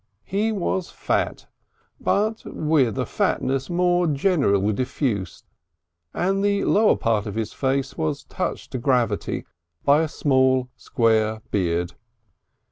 He was fat, but with a fatness more generally diffused, and the lower part of his face was touched to gravity by a small square beard.